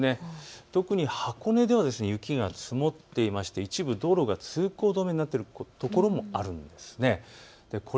特に箱根では雪が積もっていまして一部、道路が通行止めになっている所もあるんですね。